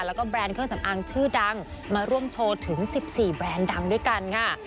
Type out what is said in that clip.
แล้วก็แบรนด์เครื่องสำอางชื่อดังมาร่วมโชว์ถึง๑๔แบรนด์ดังด้วยกันค่ะ